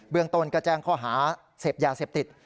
เมืองต้นก็แจ้งข้อหาเสพยาเสพติด